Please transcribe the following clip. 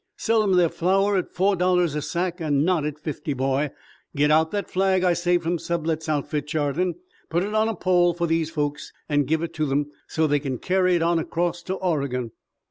Sell 'em their flour at four dollars a sack, an' not at fifty, boy. Git out that flag I saved from Sublette's outfit, Chardon. Put it on a pole for these folks, an' give it to them so's they kin carry it on acrost to Oregon.